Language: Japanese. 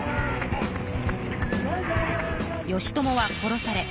義朝は殺され